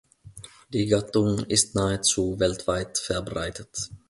Die Gattung ist nahezu weltweit verbreitet.